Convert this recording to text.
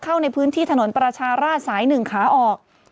เข้าในพื้นที่ถนนประชาราชสาย๑ขาออก